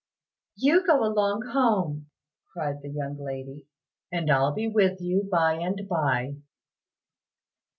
"You go along home," cried the young lady, "and I'll be with you by and by."